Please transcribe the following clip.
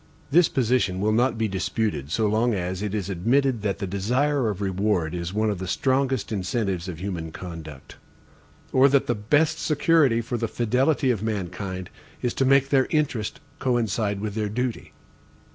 This position will not be disputed so long as it is admitted that the desire of reward is one of the strongest incentives of human conduct; or that the best security for the fidelity of mankind is to make their interests coincide with their duty.